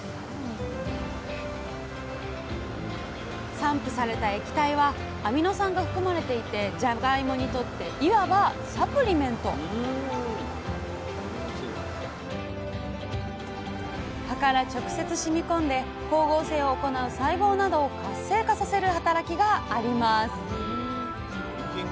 散布された液体はアミノ酸が含まれていてじゃがいもにとっていわばサプリメント葉から直接染み込んで光合成を行う細胞などを活性化させる働きがあります